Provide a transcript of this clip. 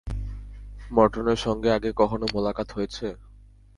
মর্টনের সঙ্গে আগে কখনো মোলাকাত হয়েছে?